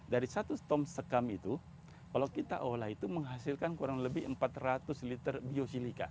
dari satu tom sekam itu kalau kita olah itu menghasilkan kurang lebih empat ratus liter biosilika